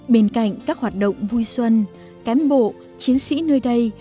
bên cạnh các hoạt động vui xuân cán bộ chiến sĩ nơi đây